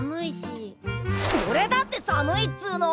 おれだって寒いっつの！